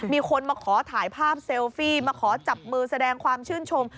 มีคนมาขอถ่ายภาพเซลฟี่มาขอจับมือแสดงความชื่นชม